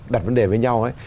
đặt vấn đề với nhau